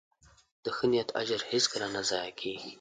د ښه نیت اجر هیڅکله نه ضایع کېږي.